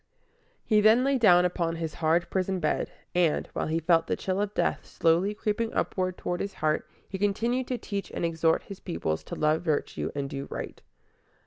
He then lay down upon his hard prison bed, and, while he felt the chill of death slowly creeping upward toward his heart, he continued to teach and exhort his pupils to love virtue and do right.